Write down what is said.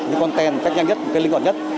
những content cách nhanh nhất cách linh hoạt nhất